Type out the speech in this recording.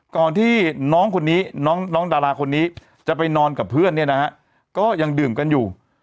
ก่อนที่น้องคนนี้น้องดาราคนนี้จะไปนอนกับเพื่อนเนี่ยนะฮะก็ยังดื่มกันอยู่